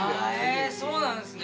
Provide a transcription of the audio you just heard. えそうなんですね